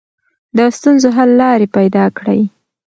د ستونزو حل لارې پیدا کړئ.